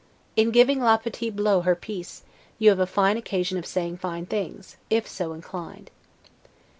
In giving 'la petite Blot' her piece, you have a fine occasion of saying fine things, if so inclined.